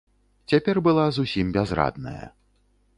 Цяпер была зусім бязрадная.